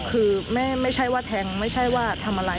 คือไม่ใช่ว่าแทงไม่ใช่ว่าทำอะไร